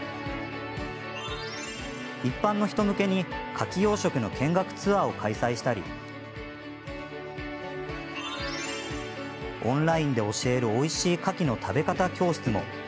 一般の人向けに、かき養殖の見学ツアーを開催したりオンラインで教えるおいしいかきの食べ方教室も。